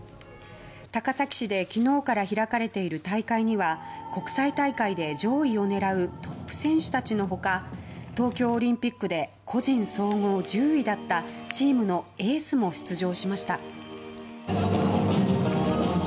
高崎市で昨日から開かれている大会には国際大会で上位を狙うトップ選手たちの他東京オリンピックで個人総合１０位だったチームのエースも出場しました。